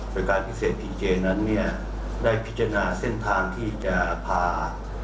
โดยการพิเศษพีเจนั้นเนี่ยได้พิจารณาเส้นทางที่จะพา